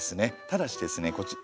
ただしですねこち。